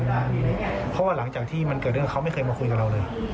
เพราะว่าหลังจากที่มันเกิดเรื่องเขาไม่เคยมาคุยกับเราเลย